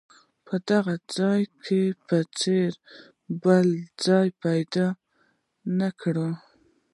د دغه ځای په څېر به بل ځای پیدا نه کړو.